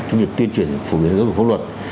trong việc tuyên truyền phổ biến giáo dục pháp luật